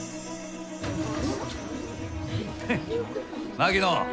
槙野